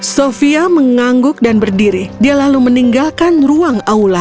sofia mengangguk dan berdiri dia lalu meninggalkan ruang aula